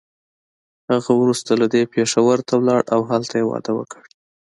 هغه وروسته له دې پېښور ته لاړه او هلته يې واده وکړ.